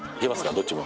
どっちも。